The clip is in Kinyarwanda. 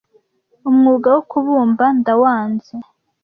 umwuga wo kubumba ndawanze"